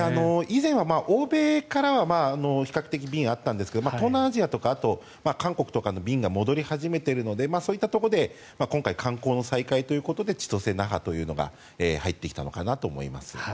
以前は欧米からは比較的、便はあったんですが東南アジアとか韓国とかの便が戻り始めているのでそういったところで観光の再開というところで千歳、那覇というのが入ってきたのかなと思います。